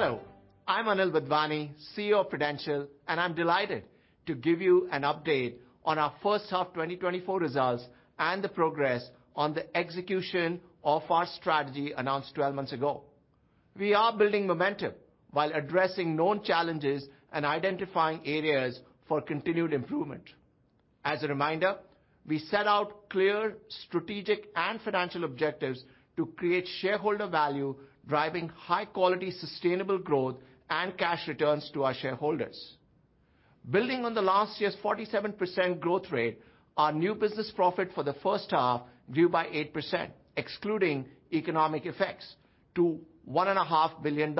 Hello, I'm Anil Wadhwani, CEO of Prudential, and I'm delighted to give you an update on our first half 2024 results and the progress on the execution of our strategy announced twelve months ago. We are building momentum while addressing known challenges and identifying areas for continued improvement. As a reminder, we set out clear strategic and financial objectives to create shareholder value, driving high-quality, sustainable growth and cash returns to our shareholders. Building on the last year's 47% growth rate, our new business profit for the first half grew by 8%, excluding economic effects, to $1.5 billion.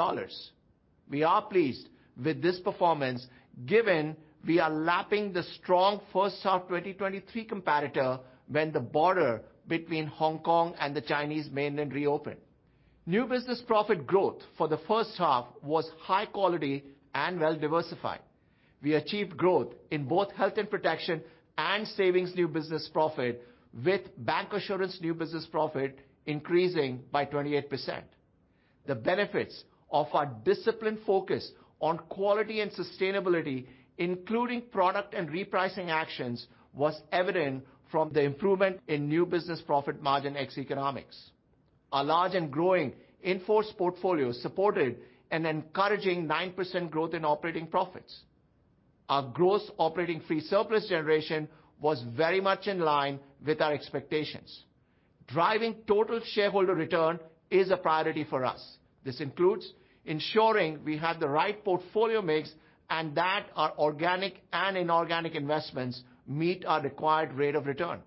We are pleased with this performance, given we are lapping the strong first half 2023 comparator when the border between Hong Kong and the Chinese mainland reopened. New business profit growth for the first half was high quality and well-diversified. We achieved growth in both health and protection and savings new business profit, with bancassurance new business profit increasing by 28%. The benefits of our disciplined focus on quality and sustainability, including product and repricing actions, was evident from the improvement in new business profit margin ex-economics. Our large and growing in-force portfolio supported an encouraging 9% growth in operating profits. Our gross operating free surplus generation was very much in line with our expectations. Driving total shareholder return is a priority for us. This includes ensuring we have the right portfolio mix, and that our organic and inorganic investments meet our required rate of return.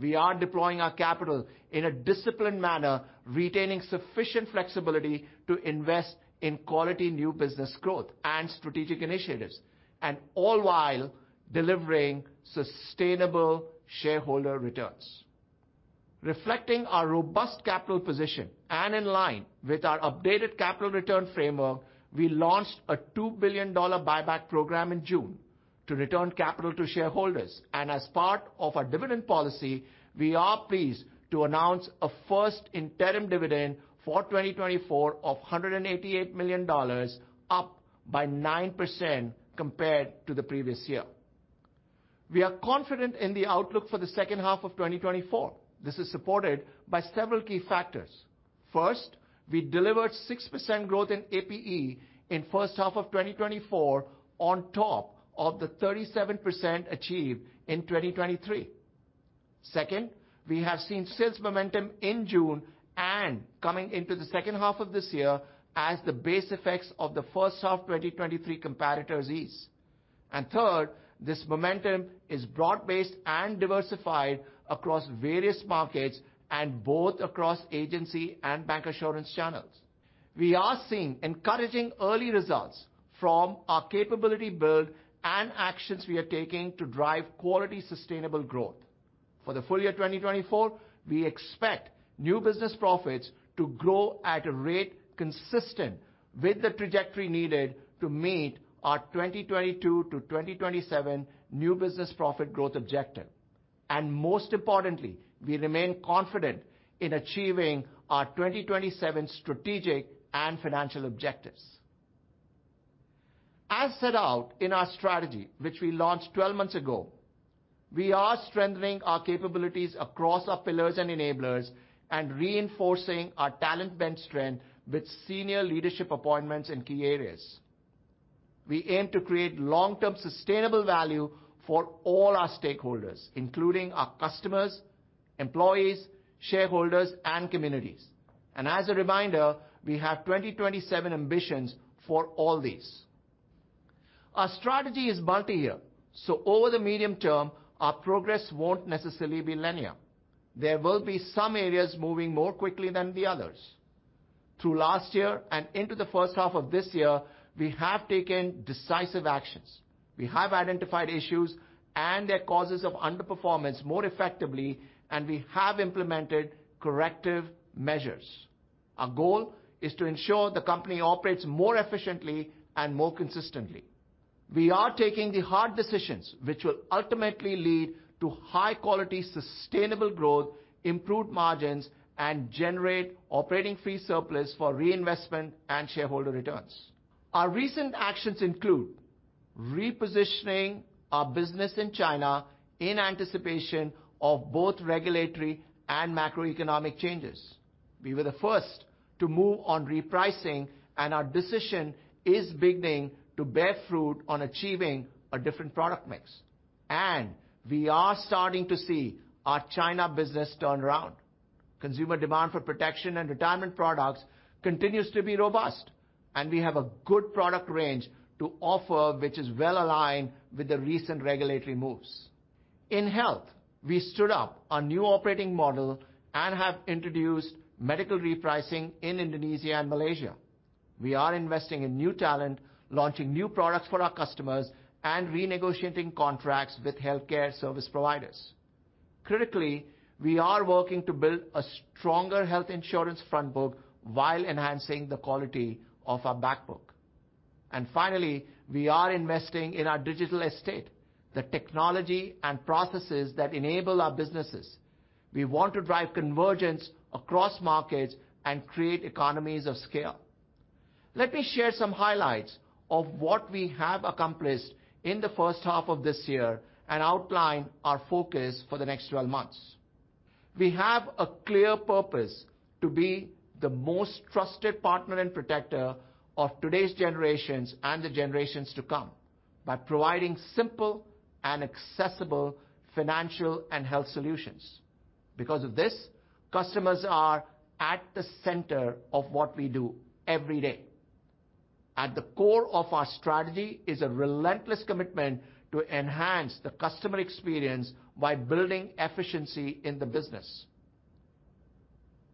We are deploying our capital in a disciplined manner, retaining sufficient flexibility to invest in quality, new business growth and strategic initiatives, and all while delivering sustainable shareholder returns. Reflecting our robust capital position and in line with our updated capital return framework, we launched a $2 billion buyback program in June to return capital to shareholders. And as part of our dividend policy, we are pleased to announce a first interim dividend for 2024 of $188 million, up 9% compared to the previous year. We are confident in the outlook for the second half of 2024. This is supported by several key factors. First, we delivered 6% growth in APE in first half of 2024, on top of the 37% achieved in 2023. Second, we have seen sales momentum in June and coming into the second half of this year as the base effects of the first half 2023 comparators ease. And third, this momentum is broad-based and diversified across various markets and both across agency and bancassurance channels. We are seeing encouraging early results from our capability build and actions we are taking to drive quality, sustainable growth. For the full year 2024, we expect new business profits to grow at a rate consistent with the trajectory needed to meet our 2022 to 2027 new business profit growth objective. And most importantly, we remain confident in achieving our 2027 strategic and financial objectives. As set out in our strategy, which we launched twelve months ago, we are strengthening our capabilities across our pillars and enablers and reinforcing our talent bench strength with senior leadership appointments in key areas. We aim to create long-term sustainable value for all our stakeholders, including our customers, employees, shareholders, and communities. As a reminder, we have 2027 ambitions for all these. Our strategy is multi-year, so over the medium term, our progress won't necessarily be linear. There will be some areas moving more quickly than the others. Through last year and into the first half of this year, we have taken decisive actions. We have identified issues and their causes of underperformance more effectively, and we have implemented corrective measures. Our goal is to ensure the company operates more efficiently and more consistently. We are taking the hard decisions, which will ultimately lead to high-quality, sustainable growth, improved margins, and generate operating free surplus for reinvestment and shareholder returns. Our recent actions include repositioning our business in China in anticipation of both regulatory and macroeconomic changes. We were the first to move on repricing, and our decision is beginning to bear fruit on achieving a different product mix, and we are starting to see our China business turn around. Consumer demand for protection and retirement products continues to be robust, and we have a good product range to offer, which is well aligned with the recent regulatory moves. In health, we stood up our new operating model and have introduced medical repricing in Indonesia and Malaysia. We are investing in new talent, launching new products for our customers, and renegotiating contracts with healthcare service providers. Critically, we are working to build a stronger health insurance front book while enhancing the quality of our back book. And finally, we are investing in our digital estate, the technology and processes that enable our businesses. We want to drive convergence across markets and create economies of scale. Let me share some highlights of what we have accomplished in the first half of this year and outline our focus for the next twelve months. We have a clear purpose: to be the most trusted partner and protector of today's generations and the generations to come, by providing simple and accessible financial and health solutions. Because of this, customers are at the center of what we do every day. At the core of our strategy is a relentless commitment to enhance the customer experience by building efficiency in the business.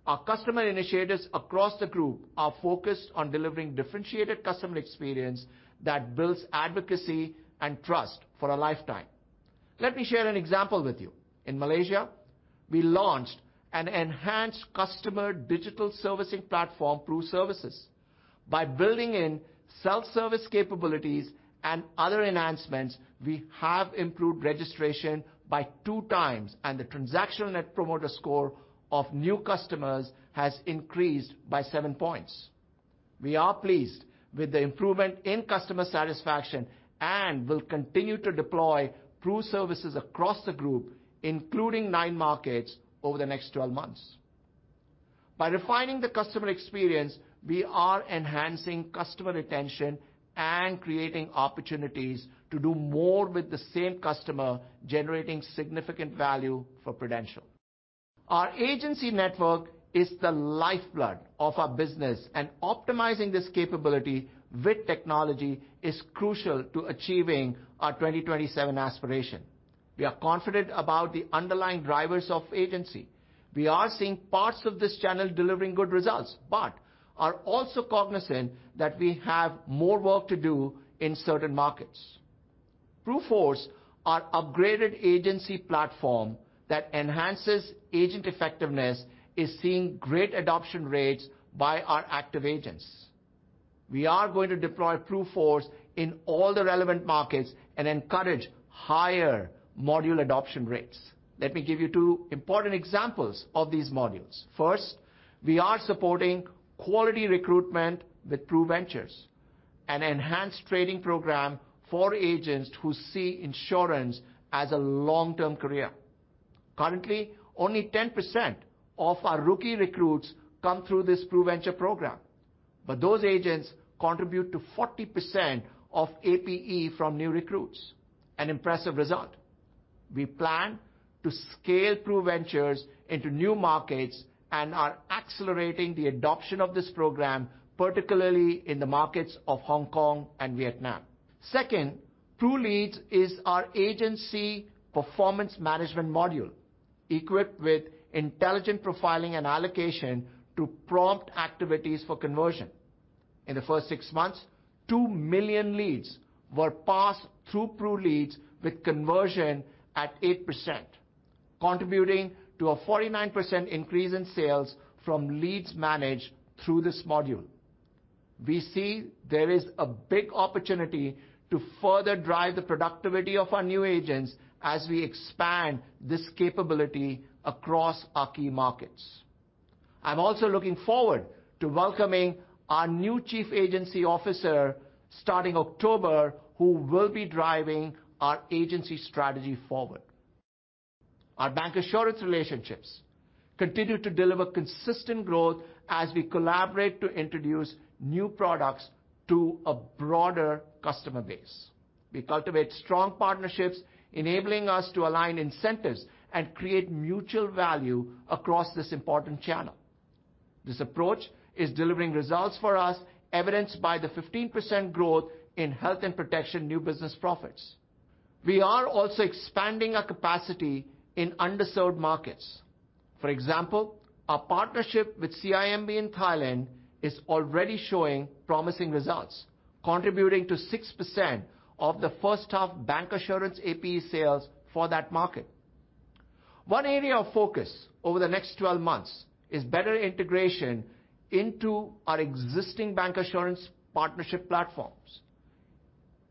Our customer initiatives across the group are focused on delivering differentiated customer experience that builds advocacy and trust for a lifetime. Let me share an example with you. In Malaysia, we launched an enhanced customer digital servicing platform, PRUServices. By building in self-service capabilities and other enhancements, we have improved registration by two times, and the transactional net promoter score of new customers has increased by seven points. We are pleased with the improvement in customer satisfaction and will continue to deploy PRUServices across the group, including nine markets, over the next 12 months. By refining the customer experience, we are enhancing customer retention and creating opportunities to do more with the same customer, generating significant value for Prudential. Our agency network is the lifeblood of our business, and optimizing this capability with technology is crucial to achieving our 2027 aspiration. We are confident about the underlying drivers of agency. We are seeing parts of this channel delivering good results, but are also cognizant that we have more work to do in certain markets. PRUForce, our upgraded agency platform that enhances agent effectiveness, is seeing great adoption rates by our active agents. We are going to deploy PRUForce in all the relevant markets and encourage higher module adoption rates. Let me give you two important examples of these modules. First, we are supporting quality recruitment with PRUVentures, an enhanced training program for agents who see insurance as a long-term career. Currently, only 10% of our rookie recruits come through this PRUVentures program, but those agents contribute to 40% of APE from new recruits, an impressive result. We plan to scale PRUVentures into new markets and are accelerating the adoption of this program, particularly in the markets of Hong Kong and Vietnam. Second, PRULeads is our agency performance management module, equipped with intelligent profiling and allocation to prompt activities for conversion. In the first six months, two million leads were passed through PRULeads, with conversion at 8%, contributing to a 49% increase in sales from leads managed through this module. We see there is a big opportunity to further drive the productivity of our new agents as we expand this capability across our key markets. I'm also looking forward to welcoming our new Chief Agency Officer, starting October, who will be driving our agency strategy forward. Our bancassurance relationships continue to deliver consistent growth as we collaborate to introduce new products to a broader customer base. We cultivate strong partnerships, enabling us to align incentives and create mutual value across this important channel. This approach is delivering results for us, evidenced by the 15% growth in health and protection new business profits. We are also expanding our capacity in underserved markets. For example, our partnership with CIMB in Thailand is already showing promising results, contributing to 6% of the first half bancassurance APE sales for that market. One area of focus over the next twelve months is better integration into our existing bancassurance partnership platforms.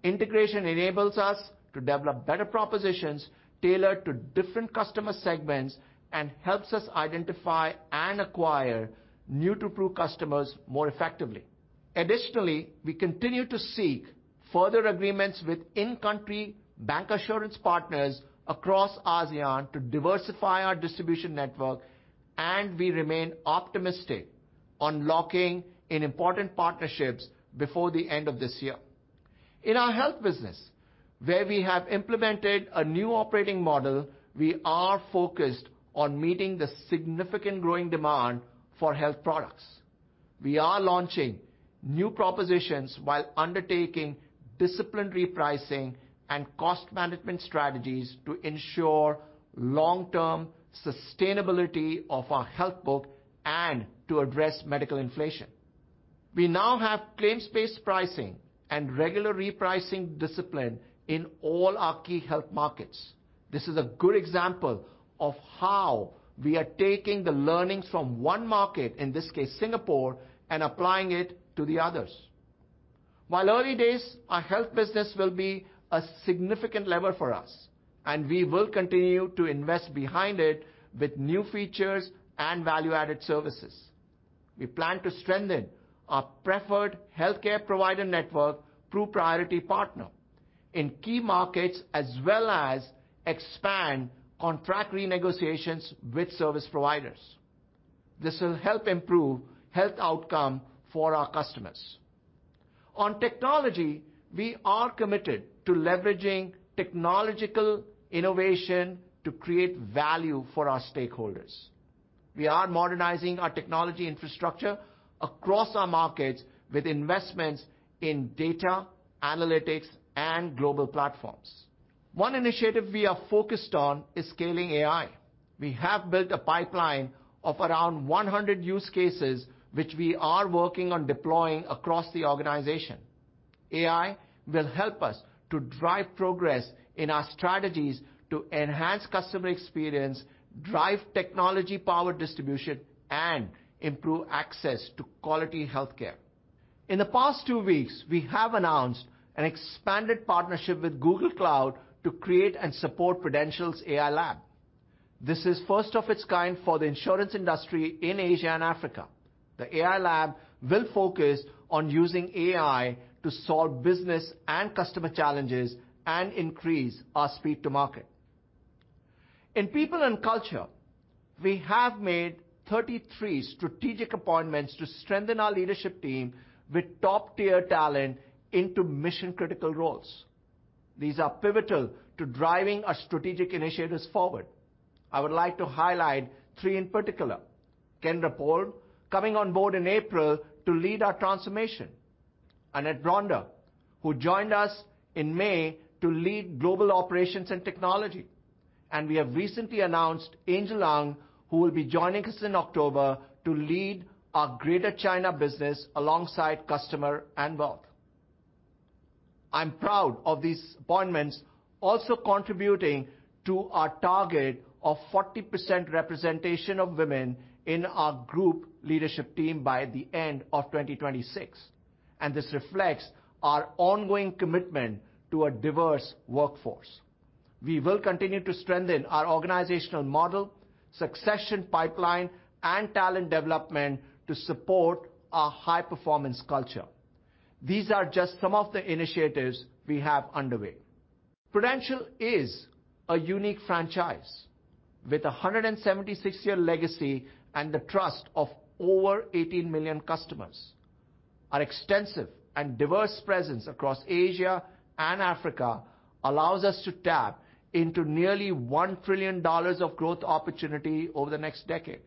Integration enables us to develop better propositions tailored to different customer segments and helps us identify and acquire new-to-Pru customers more effectively. Additionally, we continue to seek further agreements with in-country bancassurance partners across ASEAN to diversify our distribution network, and we remain optimistic on locking in important partnerships before the end of this year. In our health business, where we have implemented a new operating model, we are focused on meeting the significant growing demand for health products. We are launching new propositions while undertaking disciplined repricing and cost management strategies to ensure long-term sustainability of our health book and to address medical inflation. We now have claims-based pricing and regular repricing discipline in all our key health markets. This is a good example of how we are taking the learnings from one market, in this case, Singapore, and applying it to the others. While early days, our health business will be a significant lever for us, and we will continue to invest behind it with new features and value-added services. We plan to strengthen our preferred healthcare provider network through priority partner in key markets, as well as expand contract renegotiations with service providers. This will help improve health outcome for our customers. On technology, we are committed to leveraging technological innovation to create value for our stakeholders. We are modernizing our technology infrastructure across our markets with investments in data, analytics, and global platforms. One initiative we are focused on is scaling AI. We have built a pipeline of around 100 use cases, which we are working on deploying across the organization. AI will help us to drive progress in our strategies to enhance customer experience, drive technology-powered distribution, and improve access to quality healthcare. In the past two weeks, we have announced an expanded partnership with Google Cloud to create and support Prudential's AI lab. This is first of its kind for the insurance industry in Asia and Africa. The AI lab will focus on using AI to solve business and customer challenges and increase our speed to market. In people and culture, we have made 33 strategic appointments to strengthen our leadership team with top-tier talent into mission-critical roles. These are pivotal to driving our strategic initiatives forward. I would like to highlight three in particular: Ken Rappold, coming on board in April to lead our transformation, Anette Bronder, who joined us in May to lead global operations and technology, and we have recently announced Angel Ng, who will be joining us in October to lead our Greater China business alongside customer and wealth. I'm proud of these appointments, also contributing to our target of 40% representation of women in our group leadership team by the end of 2026, and this reflects our ongoing commitment to a diverse workforce. We will continue to strengthen our organizational model, succession pipeline, and talent development to support our high-performance culture. These are just some of the initiatives we have underway. Prudential is a unique franchise with a 176-year legacy and the trust of over 18 million customers. Our extensive and diverse presence across Asia and Africa allows us to tap into nearly $1 trillion of growth opportunity over the next decade.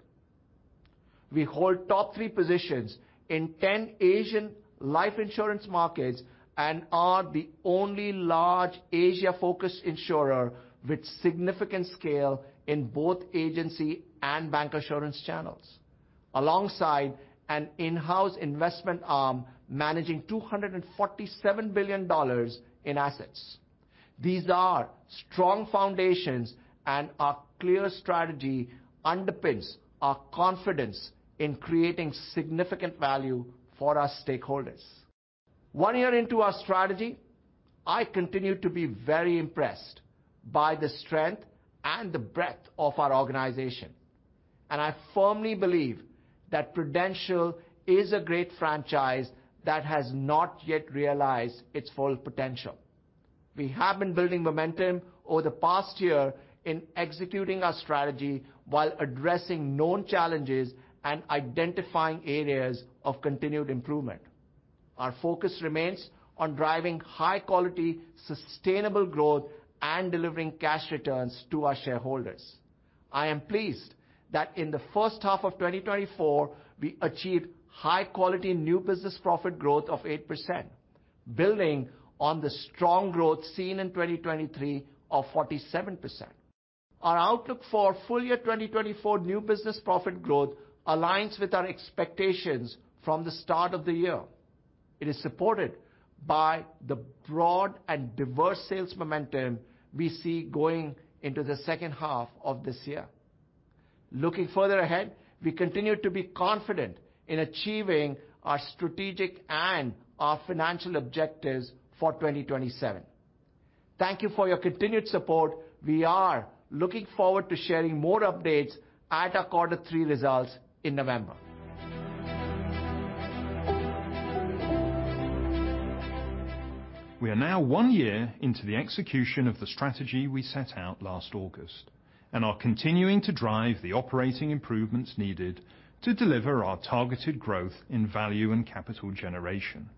We hold top three positions in 10 Asian life insurance markets and are the only large Asia-focused insurer with significant scale in both agency and bancassurance channels, alongside an in-house investment arm managing $247 billion in assets. These are strong foundations, and our clear strategy underpins our confidence in creating significant value for our stakeholders. One year into our strategy, I continue to be very impressed by the strength and the breadth of our organization, and I firmly believe that Prudential is a great franchise that has not yet realized its full potential. We have been building momentum over the past year in executing our strategy while addressing known challenges and identifying areas of continued improvement. Our focus remains on driving high-quality, sustainable growth, and delivering cash returns to our shareholders. I am pleased that in the first half of 2024, we achieved high-quality new business profit growth of 8%, building on the strong growth seen in 2023 of 47%. Our outlook for full year 2024 new business profit growth aligns with our expectations from the start of the year. It is supported by the broad and diverse sales momentum we see going into the second half of this year. Looking further ahead, we continue to be confident in achieving our strategic and our financial objectives for 2027. Thank you for your continued support. We are looking forward to sharing more updates at our quarter three results in November. We are now one year into the execution of the strategy we set out last August, and are continuing to drive the operating improvements needed to deliver our targeted growth in value and capital generation.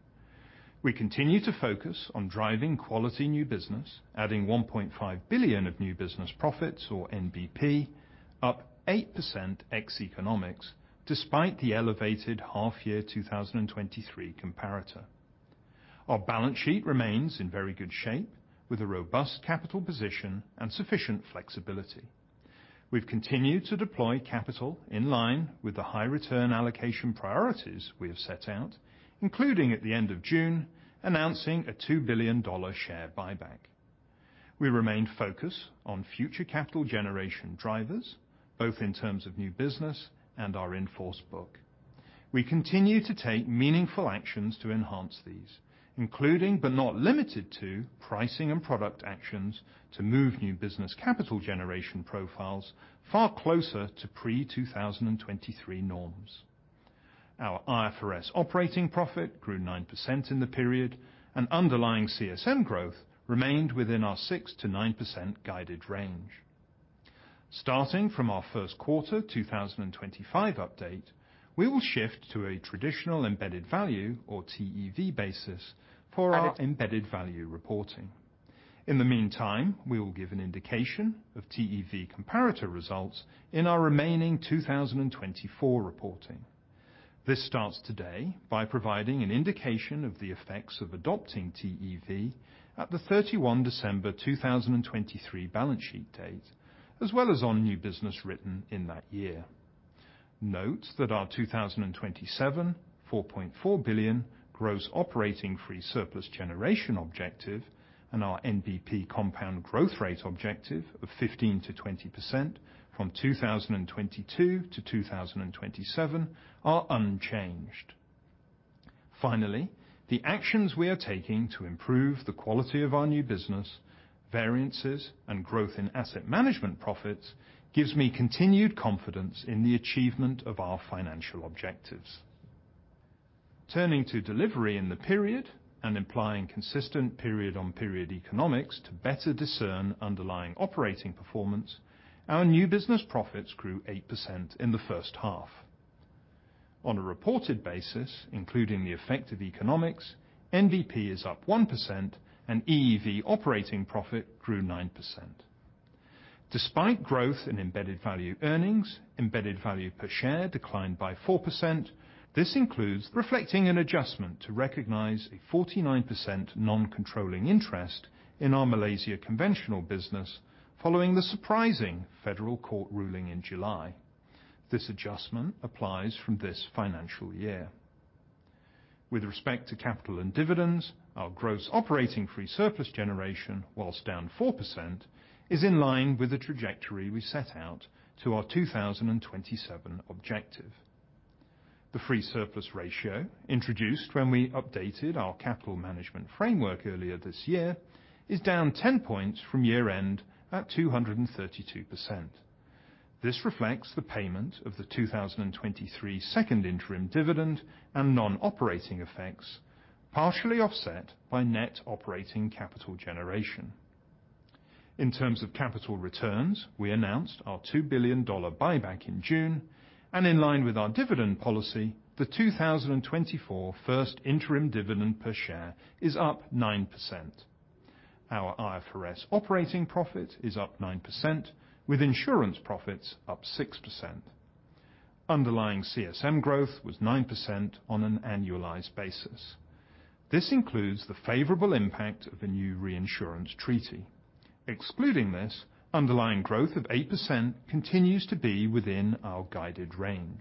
We continue to focus on driving quality new business, adding $1.5 billion of new business profits, or NBP, up 8% ex-economics, despite the elevated half-year 2023 comparator. Our balance sheet remains in very good shape, with a robust capital position and sufficient flexibility. We've continued to deploy capital in line with the high return allocation priorities we have set out, including, at the end of June, announcing a $2 billion share buyback. We remain focused on future capital generation drivers, both in terms of new business and our in-force book. We continue to take meaningful actions to enhance these, including, but not limited to, pricing and product actions to move new business capital generation profiles far closer to pre-2023 norms. Our IFRS operating profit grew 9% in the period, and underlying CSM growth remained within our 6%-9% guided range. Starting from our first quarter 2025 update, we will shift to a traditional embedded value, or TEV basis, for our embedded value reporting. In the meantime, we will give an indication of TEV comparator results in our remaining 2024 reporting. This starts today by providing an indication of the effects of adopting TEV at the 31 December 2023 balance sheet date, as well as on new business written in that year. Note that our 2027 $4.4 billion gross operating free surplus generation objective, and our NBP compound growth rate objective of 15%-20% from 2022 to 2027 are unchanged. Finally, the actions we are taking to improve the quality of our new business, variances, and growth in asset management profits, gives me continued confidence in the achievement of our financial objectives. Turning to delivery in the period and implying consistent period-on-period economics to better discern underlying operating performance, our new business profits grew 8% in the first half. On a reported basis, including the effect of economics, NBP is up 1% and EEV operating profit grew 9%. Despite growth in embedded value earnings, embedded value per share declined by 4%. This includes reflecting an adjustment to recognize a 49% non-controlling interest in our Malaysia conventional business, following the surprising federal court ruling in July. This adjustment applies from this financial year. With respect to capital and dividends, our gross operating free surplus generation, whilst down 4%, is in line with the trajectory we set out to our 2027 objective. The free surplus ratio, introduced when we updated our capital management framework earlier this year, is down 10 points from year-end at 232%. This reflects the payment of the 2023 second interim dividend and non-operating effects, partially offset by net operating capital generation. In terms of capital returns, we announced our $2 billion buyback in June, and in line with our dividend policy, the 2024 first interim dividend per share is up 9%. Our IFRS operating profit is up 9%, with insurance profits up 6%. Underlying CSM growth was 9% on an annualized basis. This includes the favorable impact of the new reinsurance treaty. Excluding this, underlying growth of 8% continues to be within our guided range.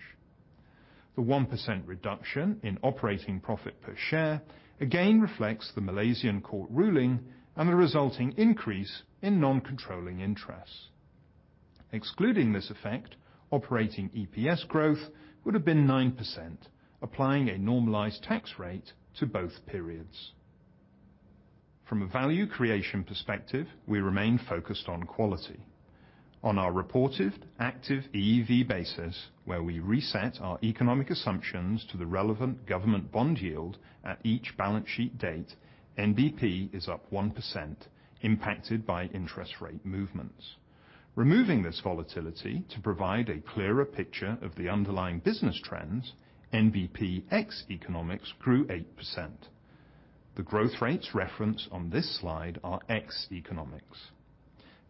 The 1% reduction in operating profit per share again reflects the Malaysian court ruling and the resulting increase in non-controlling interests. Excluding this effect, operating EPS growth would have been 9%, applying a normalized tax rate to both periods. From a value creation perspective, we remain focused on quality. On our reported active EEV basis, where we reset our economic assumptions to the relevant government bond yield at each balance sheet date, NBP is up 1%, impacted by interest rate movements. Removing this volatility to provide a clearer picture of the underlying business trends, NBP ex-economics grew 8%. The growth rates referenced on this slide are ex-economics.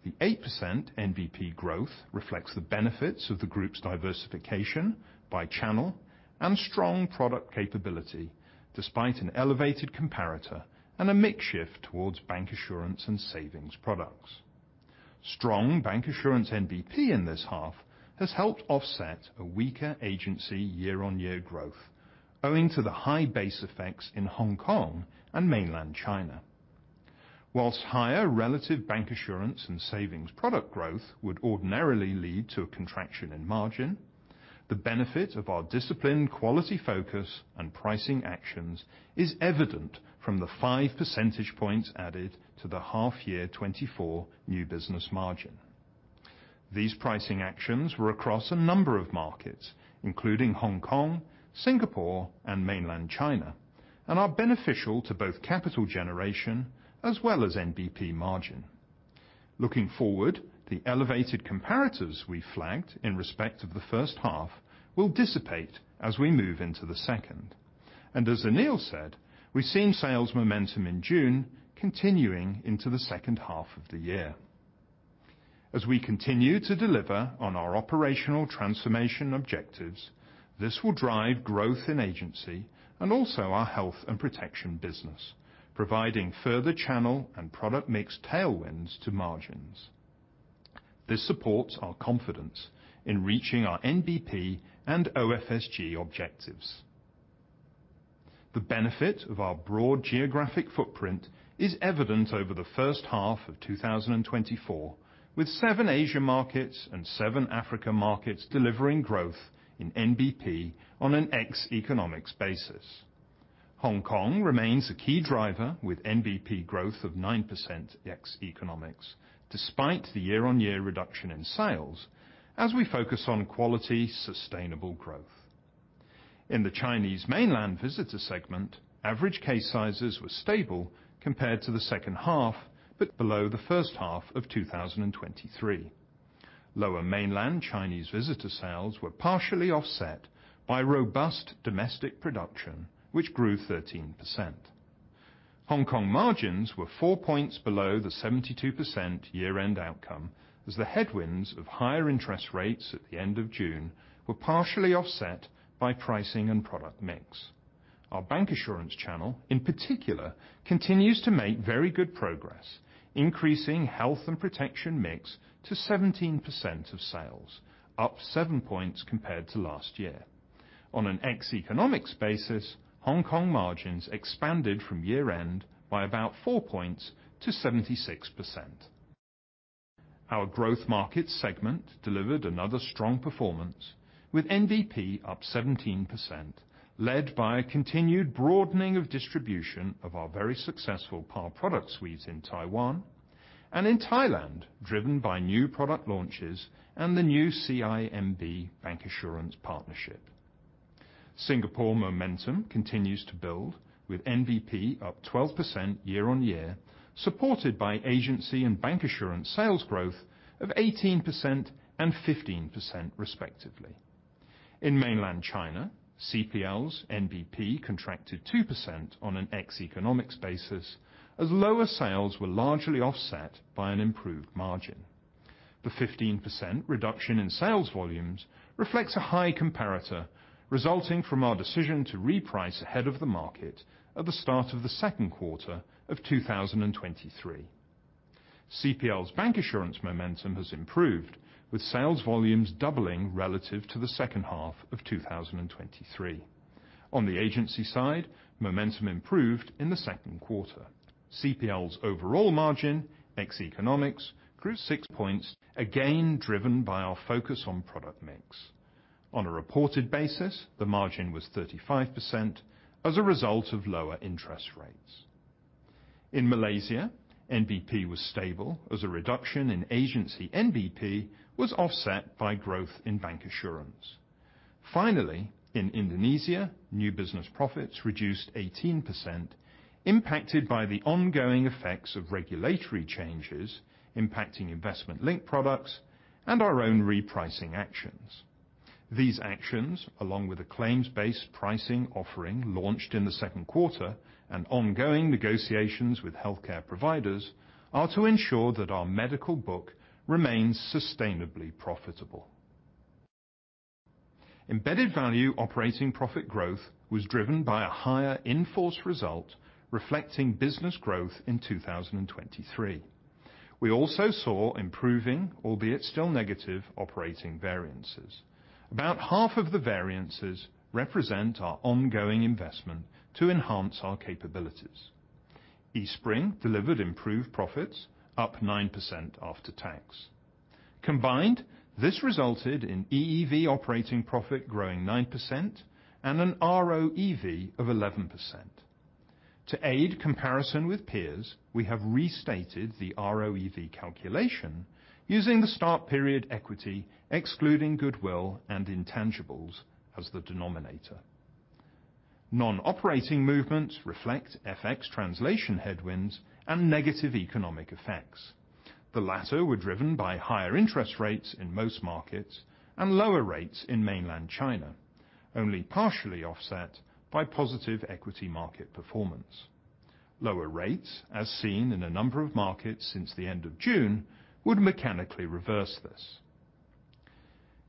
The 8% NBP growth reflects the benefits of the group's diversification by channel and strong product capability, despite an elevated comparator and a mix shift towards bancassurance and savings products. Strong bancassurance NBP in this half has helped offset a weaker agency year-on-year growth, owing to the high base effects in Hong Kong and mainland China. Whilst higher relative bancassurance and savings product growth would ordinarily lead to a contraction in margin, the benefit of our disciplined quality focus and pricing actions is evident from the five percentage points added to the half year 2024 new business margin. These pricing actions were across a number of markets, including Hong Kong, Singapore, and Mainland China, and are beneficial to both capital generation as well as NBP margin. Looking forward, the elevated comparators we flagged in respect of the first half will dissipate as we move into the second. And as Anil said, we've seen sales momentum in June continuing into the second half of the year, as we continue to deliver on our operational transformation objectives, this will drive growth in agency and also our health and protection business, providing further channel and product mix tailwinds to margins. This supports our confidence in reaching our NBP and OFSG objectives. The benefit of our broad geographic footprint is evident over the first half of 2024, with seven Asia markets and seven Africa markets delivering growth in NBP on an ex-economics basis. Hong Kong remains a key driver, with NBP growth of 9% ex-economics, despite the year-on-year reduction in sales as we focus on quality, sustainable growth. In the Chinese mainland visitor segment, average case sizes were stable compared to the second half, but below the first half of 2023. Lower mainland Chinese visitor sales were partially offset by robust domestic production, which grew 13%. Hong Kong margins were four points below the 72% year-end outcome, as the headwinds of higher interest rates at the end of June were partially offset by pricing and product mix. Our bancassurance channel, in particular, continues to make very good progress, increasing health and protection mix to 17% of sales, up seven points compared to last year. On an ex-economics basis, Hong Kong margins expanded from year-end by about four points to 76%. Our growth market segment delivered another strong performance, with NBP up 17%, led by a continued broadening of distribution of our very successful par product suites in Taiwan, and in Thailand, driven by new product launches and the new CIMB bank assurance partnership. Singapore momentum continues to build, with NBP up 12% year on year, supported by agency and bank assurance sales growth of 18% and 15% respectively. In mainland China, CPL's NBP contracted 2% on an ex-economics basis, as lower sales were largely offset by an improved margin. The 15% reduction in sales volumes reflects a high comparator, resulting from our decision to reprice ahead of the market at the start of the second quarter of 2023. CPL's bank assurance momentum has improved, with sales volumes doubling relative to the second half of 2023. On the agency side, momentum improved in the second quarter. CPL's overall margin, ex-economics, grew six points, again, driven by our focus on product mix. On a reported basis, the margin was 35% as a result of lower interest rates. In Malaysia, NBP was stable as a reduction in agency NBP was offset by growth in bancassurance. Finally, in Indonesia, new business profits reduced 18%, impacted by the ongoing effects of regulatory changes impacting investment-linked products and our own repricing actions. These actions, along with a claims-based pricing offering launched in the second quarter and ongoing negotiations with healthcare providers, are to ensure that our medical book remains sustainably profitable. Embedded value operating profit growth was driven by a higher in-force result reflecting business growth in 2023. We also saw improving, albeit still negative, operating variances. About half of the variances represent our ongoing investment to enhance our capabilities. Eastspring delivered improved profits, up 9% after tax. Combined, this resulted in EEV operating profit growing 9% and an ROEV of 11%. To aid comparison with peers, we have restated the ROEV calculation using the start period equity, excluding goodwill and intangibles, as the denominator. Non-operating movements reflect FX translation headwinds and negative economic effects. The latter were driven by higher interest rates in most markets and lower rates in mainland China, only partially offset by positive equity market performance. Lower rates, as seen in a number of markets since the end of June, would mechanically reverse this.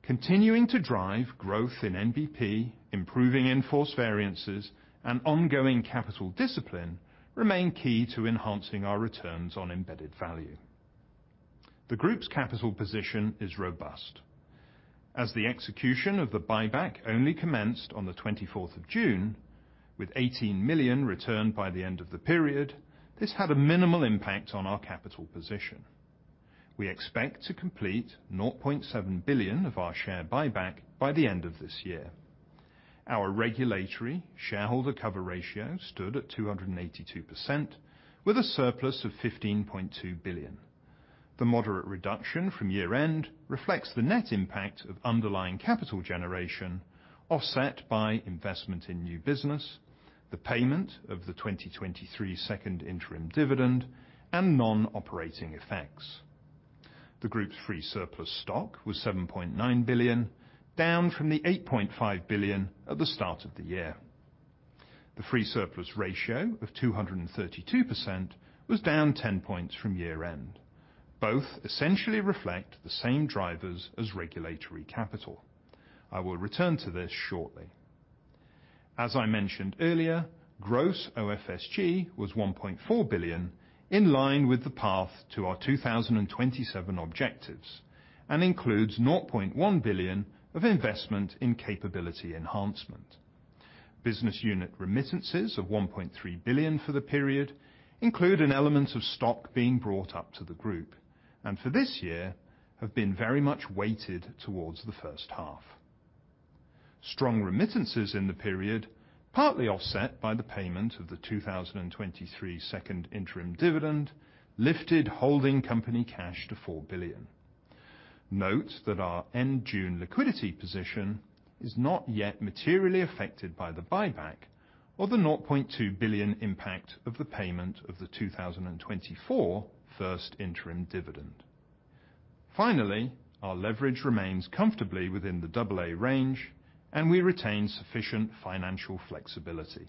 Continuing to drive growth in NBP, improving in-force variances, and ongoing capital discipline remain key to enhancing our returns on embedded value. The group's capital position is robust. As the execution of the buyback only commenced on the June 24th, with 18 million returned by the end of the period, this had a minimal impact on our capital position. We expect to complete $0.7 billion of our share buyback by the end of this year. Our regulatory shareholder cover ratio stood at 282%, with a surplus of $15.2 billion. The moderate reduction from year-end reflects the net impact of underlying capital generation, offset by investment in new business, the payment of the 2023 second interim dividend, and non-operating effects. The group's free surplus stock was $7.9 billion, down from the $8.5 billion at the start of the year. The free surplus ratio of 232% was down 10 points from year-end. Both essentially reflect the same drivers as regulatory capital. I will return to this shortly. As I mentioned earlier, gross OFSG was $1.4 billion, in line with the path to our 2027 objectives, and includes $0.1 billion of investment in capability enhancement. Business unit remittances of $1.3 billion for the period include an element of stock being brought up to the group, and for this year, have been very much weighted towards the first half. Strong remittances in the period, partly offset by the payment of the 2023 second interim dividend, lifted holding company cash to $4 billion. Note that our end-June liquidity position is not yet materially affected by the buyback or the $0.2 billion impact of the payment of the 2024 first interim dividend. Finally, our leverage remains comfortably within the double A range, and we retain sufficient financial flexibility.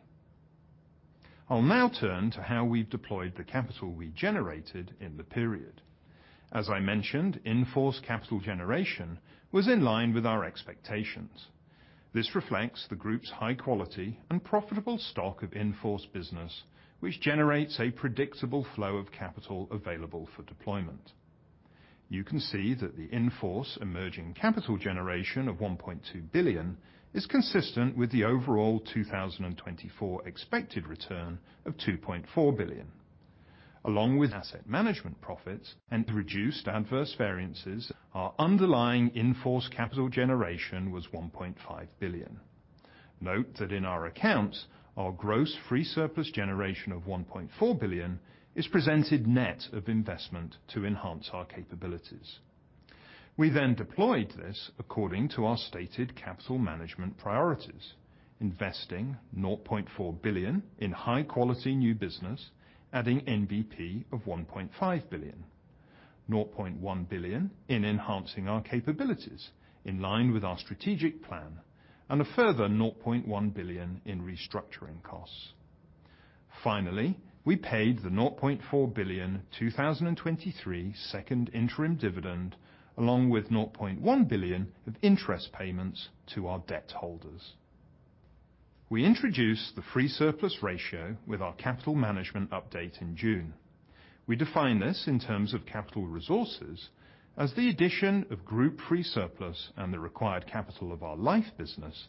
I'll now turn to how we've deployed the capital we generated in the period. As I mentioned, in-force capital generation was in line with our expectations. This reflects the group's high quality and profitable stock of in-force business, which generates a predictable flow of capital available for deployment. You can see that the in-force emerging capital generation of $1.2 billion is consistent with the overall 2024 expected return of $2.4 billion. Along with asset management profits and the reduced adverse variances, our underlying in-force capital generation was $1.5 billion. Note that in our accounts, our gross free surplus generation of $1.4 billion is presented net of investment to enhance our capabilities. We then deployed this according to our stated capital management priorities, investing $0.4 billion in high-quality new business, adding NBP of $1.5 billion, $0.1 billion in enhancing our capabilities in line with our strategic plan, and a further $0.1 billion in restructuring costs. Finally, we paid the $0.4 billion 2023 second interim dividend, along with $0.1 billion of interest payments to our debt holders. We introduced the free surplus ratio with our capital management update in June. We define this in terms of capital resources as the addition of group free surplus and the required capital of our life business,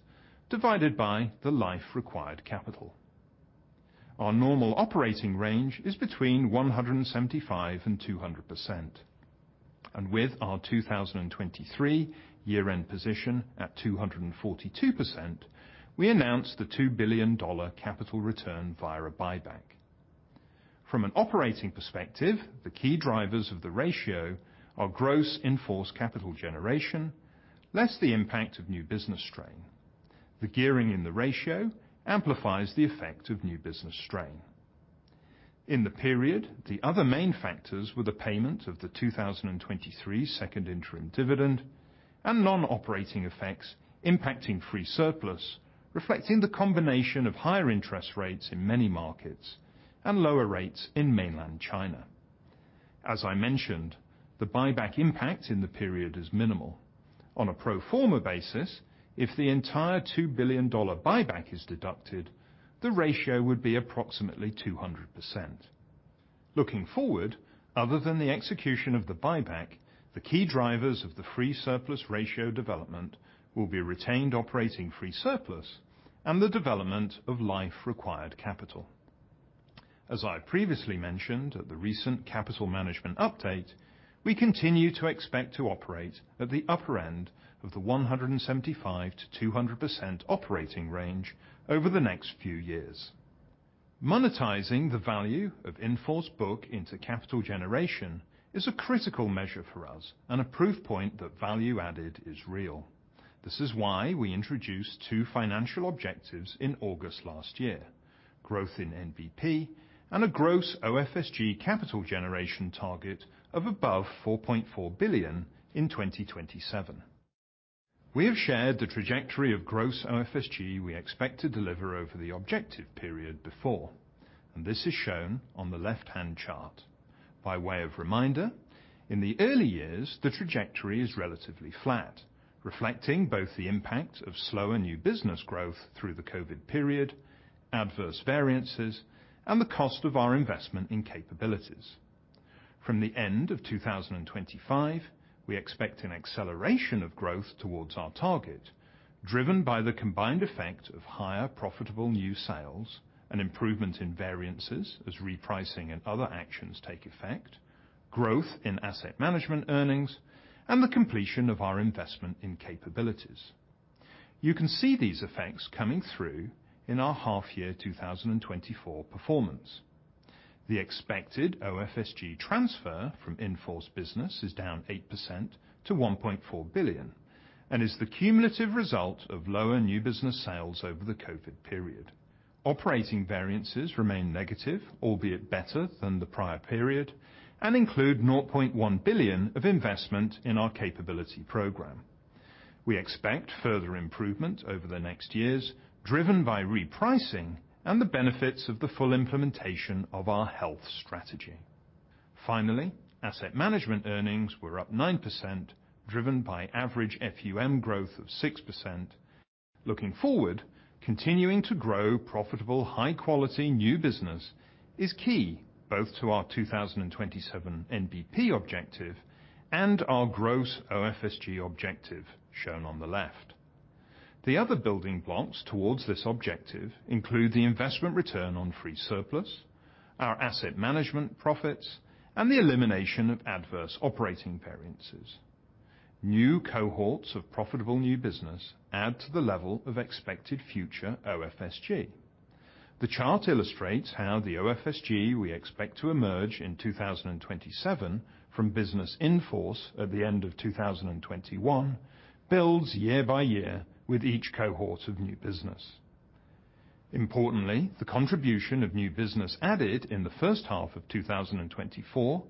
divided by the life required capital. Our normal operating range is between 175 and 200%, and with our 2023 year-end position at 242%, we announced the $2 billion capital return via a buyback. From an operating perspective, the key drivers of the ratio are gross in-force capital generation, less the impact of new business strain. The gearing in the ratio amplifies the effect of new business strain. In the period, the other main factors were the payment of the 2023 second interim dividend and non-operating effects impacting free surplus, reflecting the combination of higher interest rates in many markets and lower rates in mainland China. As I mentioned, the buyback impact in the period is minimal. On a pro forma basis, if the entire $2 billion buyback is deducted, the ratio would be approximately 200%. Looking forward, other than the execution of the buyback, the key drivers of the free surplus ratio development will be retained operating free surplus and the development of life-required capital. As I previously mentioned at the recent capital management update, we continue to expect to operate at the upper end of the 175%-200% operating range over the next few years. Monetizing the value of in-force book into capital generation is a critical measure for us and a proof point that value added is real. This is why we introduced two financial objectives in August last year: growth in NBP and a Gross OFSG capital generation target of above 4.4 billion in 2027. We have shared the trajectory of Gross OFSG we expect to deliver over the objective period before, and this is shown on the left-hand chart. By way of reminder, in the early years, the trajectory is relatively flat, reflecting both the impact of slower new business growth through the COVID period, adverse variances, and the cost of our investment in capabilities. From the end of 2025, we expect an acceleration of growth towards our target, driven by the combined effect of higher profitable new sales and improvement in variances as repricing and other actions take effect, growth in asset management earnings, and the completion of our investment in capabilities. You can see these effects coming through in our half-year 2024 performance. The expected OFSG transfer from in-force business is down 8% to $1.4 billion and is the cumulative result of lower new business sales over the COVID period. Operating variances remain negative, albeit better than the prior period, and include $ 0.1 billion of investment in our capability program. We expect further improvement over the next years, driven by repricing and the benefits of the full implementation of our health strategy. Finally, asset management earnings were up 9%, driven by average FUM growth of 6%. Looking forward, continuing to grow profitable, high quality new business is key, both to our 2027 NBP objective and our gross OFSG objective, shown on the left. The other building blocks towards this objective include the investment return on free surplus, our asset management profits, and the elimination of adverse operating variances. New cohorts of profitable new business add to the level of expected future OFSG. The chart illustrates how the OFSG we expect to emerge in 2027 from business in force at the end of 2021, builds year by year with each cohort of new business. Importantly, the contribution of new business added in the first half of 2024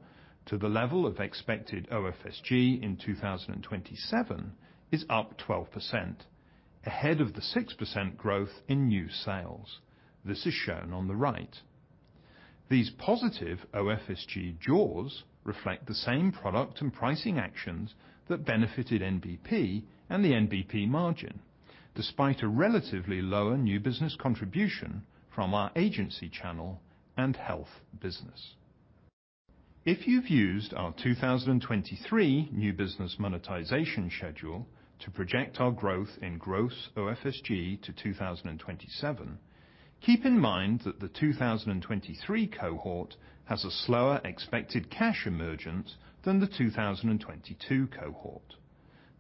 to the level of expected OFSG in 2027 is up 12%, ahead of the 6% growth in new sales. This is shown on the right. These positive OFSG jaws reflect the same product and pricing actions that benefited NBP and the NBP margin, despite a relatively lower new business contribution from our Agency Channel and Health business. If you've used our 2023 new business monetization schedule to project our growth in gross OFSG to 2027, keep in mind that the 2023 cohort has a slower expected cash emergence than the 2022 cohort.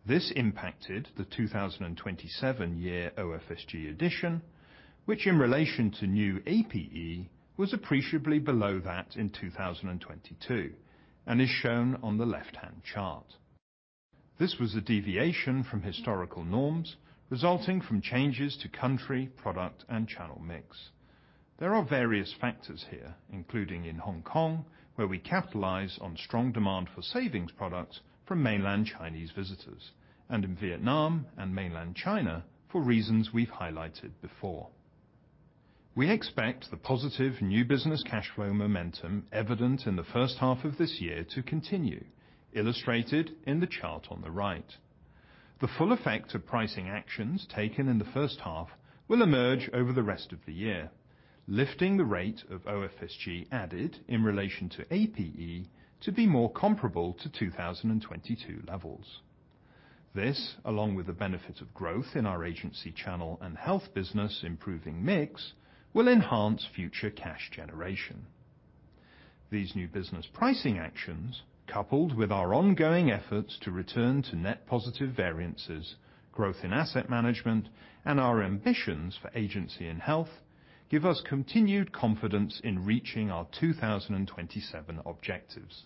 This impacted the 2027 year OFSG edition, which in relation to new APE, was appreciably below that in 2022, and is shown on the left-hand chart. This was a deviation from historical norms, resulting from changes to country, product, and channel mix. There are various factors here, including in Hong Kong, where we capitalize on strong demand for savings products from mainland Chinese visitors, and in Vietnam and mainland China for reasons we've highlighted before. We expect the positive new business cash flow momentum evident in the first half of this year to continue, illustrated in the chart on the right. The full effect of pricing actions taken in the first half will emerge over the rest of the year, lifting the rate of OFSG added in relation to APE to be more comparable to 2022 levels. This, along with the benefit of growth in our Agency Channel and Health business improving mix, will enhance future cash generation. These new business pricing actions, coupled with our ongoing efforts to return to net positive variances, growth in asset management, and our ambitions for agency and health, give us continued confidence in reaching our 2027 objectives.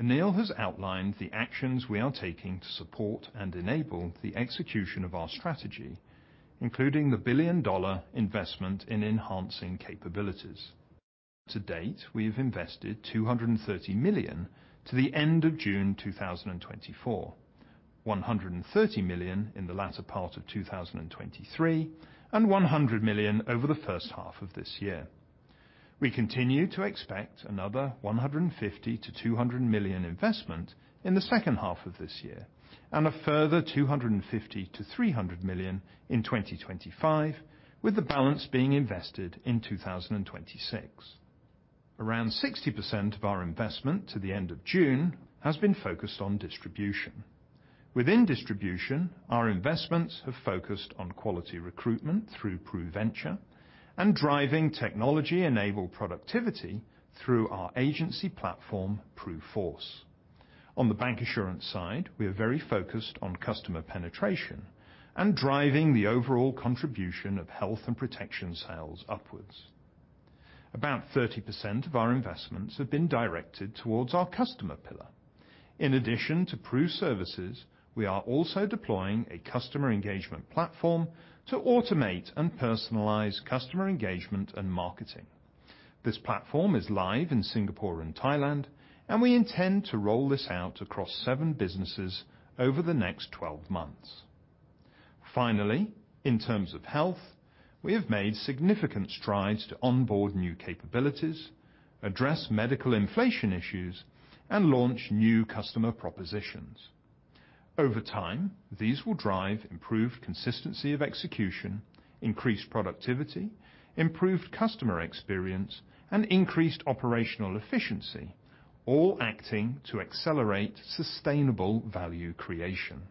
Anil has outlined the actions we are taking to support and enable the execution of our strategy, including the $1 billion investment in enhancing capabilities. To date, we have invested $230 million to the end of June 2024, $130 million in the latter part of 2023, and $100 million over the first half of this year. We continue to expect another $150 million-$200 million investment in the second half of this year, and a further $250 million-$300 million in 2025, with the balance being invested in 2026. Around 60% of our investment to the end of June has been focused on distribution. Within distribution, our investments have focused on quality recruitment through PruVentures and driving technology-enabled productivity through our agency platform, PruForce. On the bank insurance side, we are very focused on customer penetration and driving the overall contribution of health and protection sales upwards. About 30% of our investments have been directed towards our customer pillar. In addition to PruServices, we are also deploying a customer engagement platform to automate and personalize customer engagement and marketing. This platform is live in Singapore and Thailand, and we intend to roll this out across seven businesses over the next twelve months. Finally, in terms of health, we have made significant strides to onboard new capabilities, address medical inflation issues, and launch new customer propositions. Over time, these will drive improved consistency of execution, increased productivity, improved customer experience, and increased operational efficiency, all acting to accelerate sustainable value creation.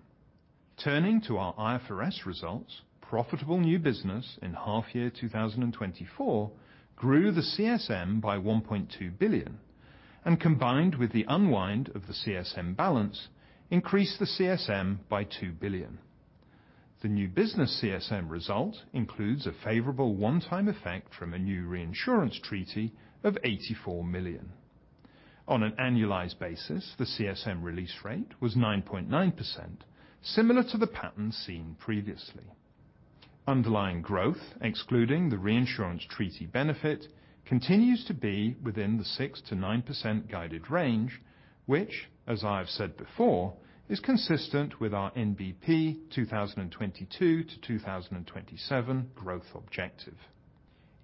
Turning to our IFRS results, profitable new business in half year 2024 grew the CSM by $1.2 billion, and combined with the unwind of the CSM balance, increased the CSM by $2 billion. The new business CSM result includes a favorable one-time effect from a new reinsurance treaty of $84 million. On an annualized basis, the CSM release rate was 9.9%, similar to the pattern seen previously. Underlying growth, excluding the reinsurance treaty benefit, continues to be within the 6%-9% guided range, which, as I have said before, is consistent with our NBP 2022-2027 growth objective.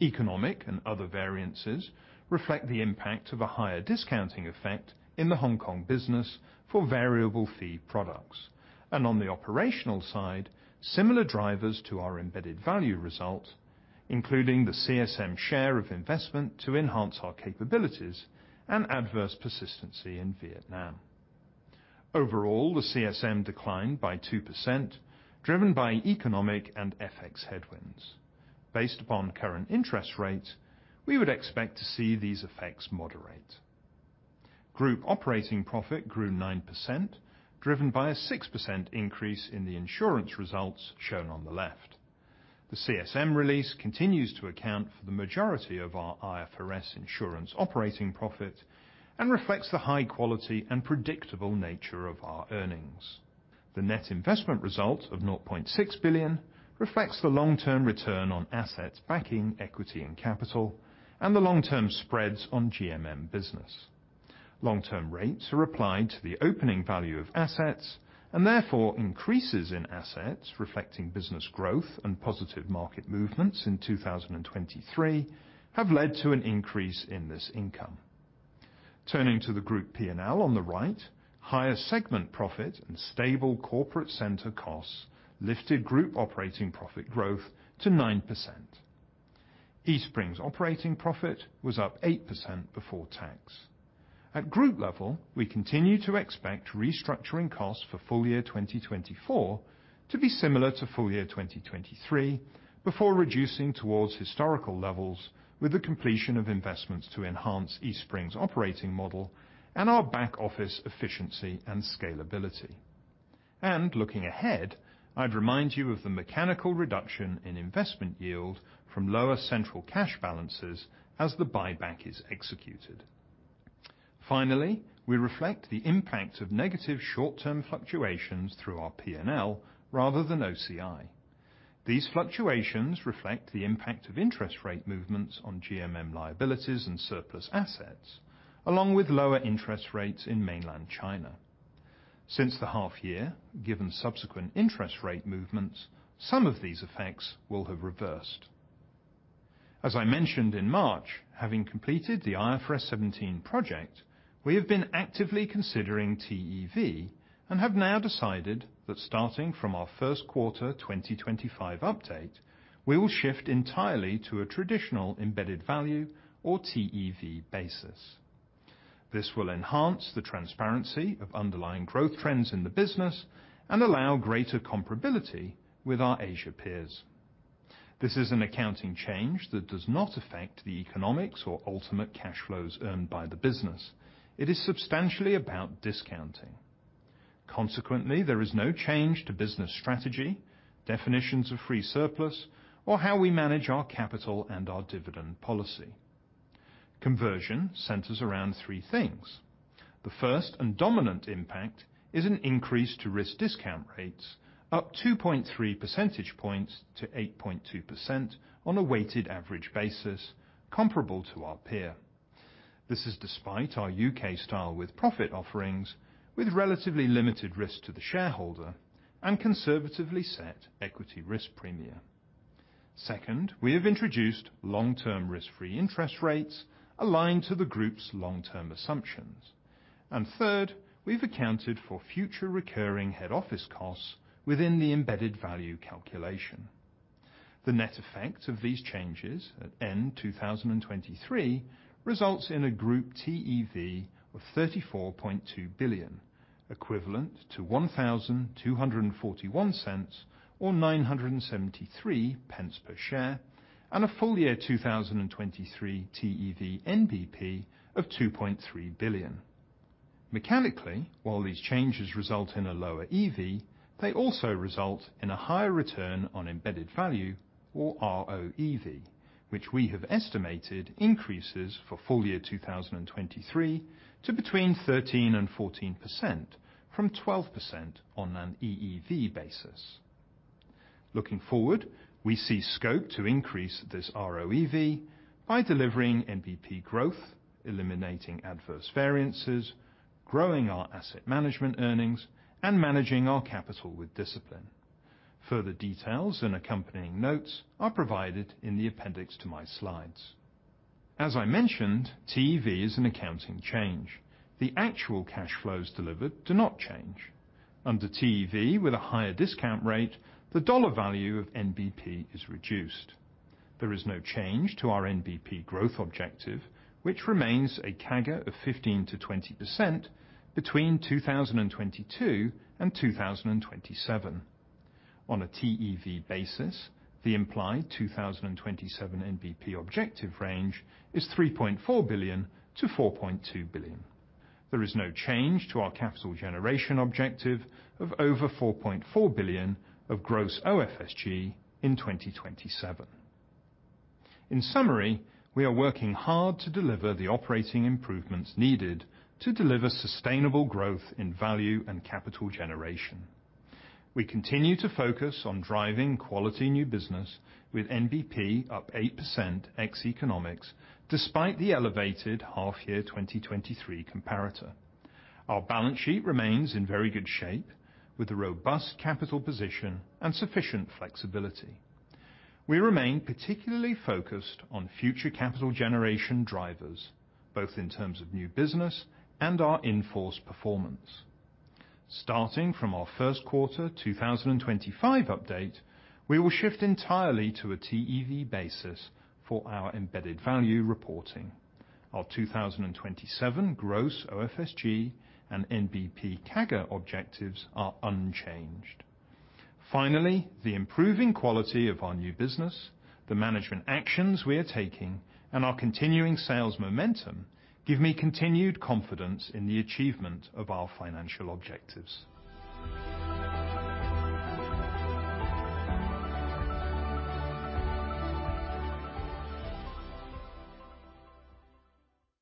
Economic and other variances reflect the impact of a higher discounting effect in the Hong Kong business for variable fee products, and on the operational side, similar drivers to our embedded value result, including the CSM share of investment to enhance our capabilities and adverse persistency in Vietnam. Overall, the CSM declined by 2%, driven by economic and FX headwinds. Based upon current interest rates, we would expect to see these effects moderate. Group operating profit grew 9%, driven by a 6% increase in the insurance results shown on the left. The CSM release continues to account for the majority of our IFRS insurance operating profit and reflects the high quality and predictable nature of our earnings. The net investment result of $0.6 billion reflects the long-term return on assets backing equity and capital, and the long-term spreads on GMM business. Long-term rates are applied to the opening value of assets, and therefore increases in assets, reflecting business growth and positive market movements in 2023, have led to an increase in this income. Turning to the group P&L on the right, higher segment profit and stable corporate center costs lifted group operating profit growth to 9%. Eastspring's operating profit was up 8% before tax. At group level, we continue to expect restructuring costs for full year 2024 to be similar to full year 2023, before reducing towards historical levels with the completion of investments to enhance Eastspring's operating model and our back office efficiency and scalability. Looking ahead, I'd remind you of the mechanical reduction in investment yield from lower central cash balances as the buyback is executed. Finally, we reflect the impact of negative short-term fluctuations through our P&L rather than OCI. These fluctuations reflect the impact of interest rate movements on GMM liabilities and surplus assets, along with lower interest rates in mainland China. Since the half year, given subsequent interest rate movements, some of these effects will have reversed. As I mentioned in March, having completed the IFRS 17 project, we have been actively considering TEV and have now decided that starting from our first quarter 2025 update, we will shift entirely to a traditional embedded value or TEV basis. This will enhance the transparency of underlying growth trends in the business and allow greater comparability with our Asia peers. This is an accounting change that does not affect the economics or ultimate cash flows earned by the business. It is substantially about discounting. Consequently, there is no change to business strategy, definitions of free surplus, or how we manage our capital and our dividend policy. Conversion centers around three things. The first and dominant impact is an increase to risk discount rates, up 2.3 percentage points to 8.2% on a weighted average basis, comparable to our peer. This is despite our UK style with profit offerings, with relatively limited risk to the shareholder and conservatively set equity risk premium. Second, we have introduced long-term risk-free interest rates aligned to the group's long-term assumptions. And third, we've accounted for future recurring head office costs within the embedded value calculation. The net effect of these changes at end 2023 results in a group TEV of $34.2 billion, equivalent to $12.41 or 0.973 per share, and a full year 2023 TEV NBP of $2.3 billion. Mechanically, while these changes result in a lower EV, they also result in a higher return on embedded value or ROEV, which we have estimated increases for full year 2023 to between 13% and 14%, from 12% on an EEV basis. Looking forward, we see scope to increase this ROEV by delivering NBP growth, eliminating adverse variances, growing our asset management earnings, and managing our capital with discipline. Further details and accompanying notes are provided in the appendix to my slides. As I mentioned, TEV is an accounting change. The actual cash flows delivered do not change. Under TEV, with a higher discount rate, the dollar value of NBP is reduced. There is no change to our NBP growth objective, which remains a CAGR of 15%-20% between 2022 and 2027. On a TEV basis, the implied 2027 NBP objective range is $3.4 billion-$4.2 billion. There is no change to our capital generation objective of over $4.4 billion of gross OFSG in 2027. In summary, we are working hard to deliver the operating improvements needed to deliver sustainable growth in value and capital generation. We continue to focus on driving quality new business with NBP up 8% ex-economics, despite the elevated half year 2023 comparator. Our balance sheet remains in very good shape, with a robust capital position and sufficient flexibility. We remain particularly focused on future capital generation drivers, both in terms of new business and our in-force performance. Starting from our first quarter 2025 update, we will shift entirely to a TEV basis for our embedded value reporting. Our 2027 gross OFSG and NBP CAGR objectives are unchanged. Finally, the improving quality of our new business, the management actions we are taking, and our continuing sales momentum give me continued confidence in the achievement of our financial objectives.